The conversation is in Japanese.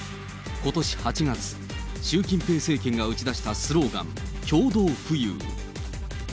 ことし８月、習近平政権が打ち出したスローガン、共同富裕。